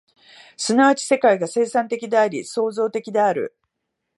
即ち世界が生産的であり、創造的である。